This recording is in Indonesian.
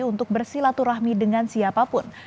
untuk bersilaturahmi dengan siapapun